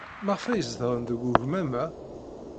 Maɣef ay zedɣen deg ugmam-a?